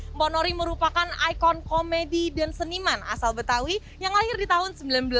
mponori merupakan ikon komedi dan seniman asal betawi yang lahir di tahun seribu sembilan ratus delapan puluh